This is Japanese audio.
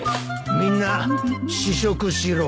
みんな試食しろ。